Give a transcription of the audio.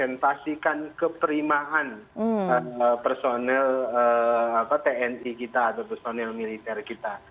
representasikan keperimaan personil tni kita atau personil militer kita